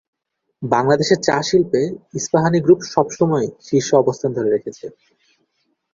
বাংলাদেশের চা শিল্পে ইস্পাহানি গ্রুপ সবসময়ই শীর্ষ অবস্থান ধরে রেখেছে।